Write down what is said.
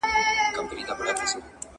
¬ خداى دي يو لاس بل ته نه اړ باسي.